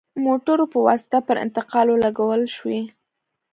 موټرو په واسطه پر انتقال ولګول شوې.